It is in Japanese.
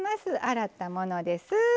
洗ったものです。